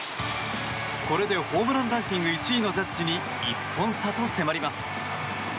これでホームランランキング１位のジャッジに１本差と迫ります。